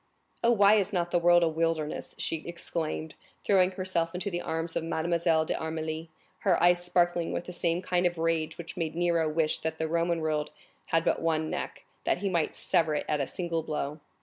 "Oh, why is not the world a wilderness?" she exclaimed, throwing herself into the arms of Mademoiselle d'Armilly, her eyes sparkling with the same kind of rage which made Nero wish that the Roman world had but one neck, that he might sever it at a single blow.